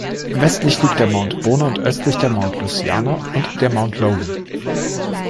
Westlich liegt der Mount Bona und östlich der Mount Lucania und der Mount Logan.